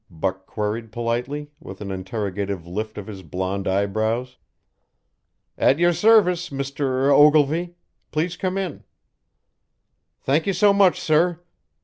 Buck queried politely, with an interrogative lift of his blond eyebrows. "At your service, Mr. Ogilvy. Please come in." "Thank you so much, sir."